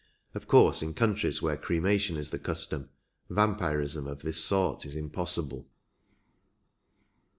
Of course in countries where cremation is the custom vampirism of this sort is impos sible.